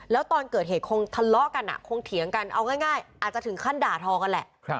แล้วตอนเกิดเหตุคงทะเลาะกันคงเถียงกันเอาง่ายอาจจะถึงขั้นด่าทอกันแหละ